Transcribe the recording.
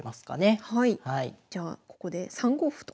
じゃあここで３五歩と。